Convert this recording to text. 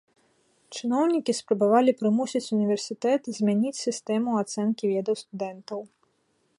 Чыноўнікі спрабавалі прымусіць універсітэт змяніць сістэму ацэнкі ведаў студэнтаў.